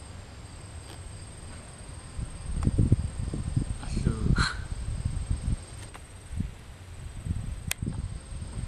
Alóoxʼ.